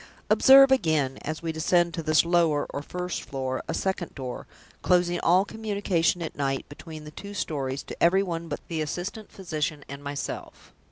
Observe, again, as we descend to this lower, or first floor, a second door, closing all communication at night between the two stories to every one but the assistant physician and myself.